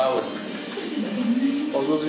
umur tujuh tahun